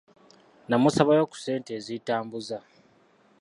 Nnamusabayo ku ssente ezintambuza.